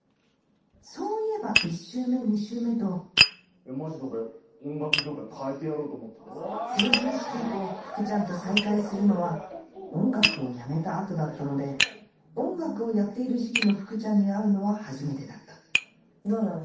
そういえば１周目２周目とマジで俺音楽業界変えてやろうと思っ成人式以降福ちゃんと再会するのは音楽をやめた後だったので音楽をやっている時期の福ちゃんに会うのは初めてだったどうなの？